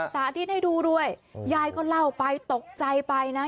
สาธิตให้ดูด้วยยายก็เล่าไปตกใจไปนะ